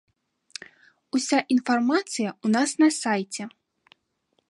Уся інфармацыя ў нас на сайце.